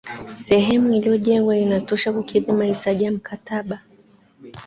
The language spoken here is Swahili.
sehemu iliyolengwa inatosha kukidhi mahitaji ya mkataba